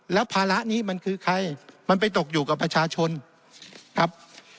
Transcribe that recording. แล้วภาระนี้มันคือใครมันไปตกอยู่กับประชาชนครับ